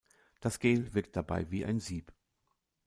Das Gel wirkt dabei wie ein Sieb.